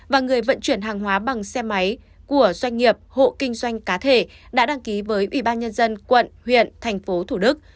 và người vận chuyển hàng hóa bằng xe máy của doanh nghiệp hộ kinh doanh cá thể đã đăng ký với ủy ban nhân dân quận huyện thành phố thủ đức